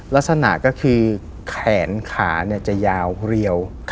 ลักษณะก็คือแขนขาจะยาวเรียว